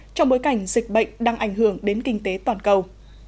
trong bối cảnh dịch bệnh đang ảnh hưởng đến kinh tế toàn cầu